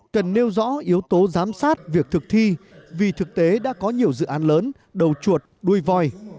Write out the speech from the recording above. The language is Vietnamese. cần nêu rõ yếu tố giám sát việc thực thi vì thực tế đã có nhiều dự án lớn đầu chuột đuôi voi